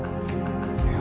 いや。